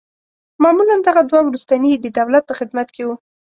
معمولاً دغه دوه وروستني د دولت په خدمت کې وه.